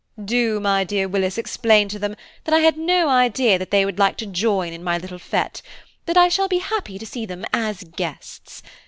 "Do, my dear Willis, explain to them that I had no idea that they would like to join in my little fête, but that I shall be happy to see them as guests.